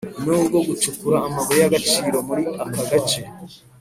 N ubwo gucukura amabuye y agaciro muri aka gace